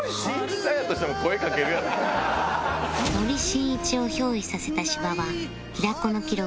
森進一を憑依させた芝は平子の記録